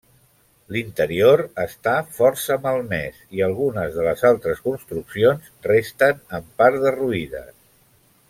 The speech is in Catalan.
L'interior està força malmès, i algunes de les altres construccions resten en part derruïdes.